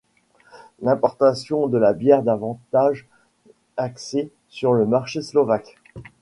L'importation de la bière davantage axée sur le marché slovaque.